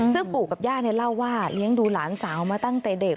ซึ่งปู่กับย่าเล่าว่าเลี้ยงดูหลานสาวมาตั้งแต่เด็ก